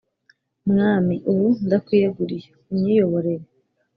Mwami ubu ndakwiyeguriye unyiyoborere.